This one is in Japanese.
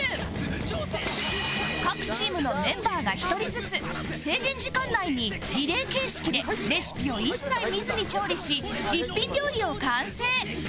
各チームのメンバーが１人ずつ制限時間内にリレー形式でレシピを一切見ずに調理し一品料理を完成